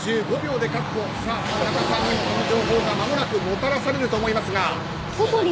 田中さんに情報がまもなくもたらされると思いますが。